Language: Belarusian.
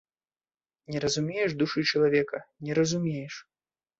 Не разумееш душы чалавека, не разумееш!